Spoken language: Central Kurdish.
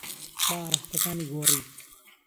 با ئاراستەکانی گۆڕی.